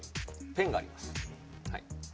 ペンがあります